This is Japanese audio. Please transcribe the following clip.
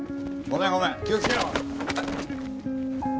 ごめんごめん気をつけろ！